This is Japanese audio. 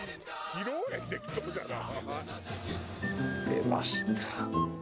出ました。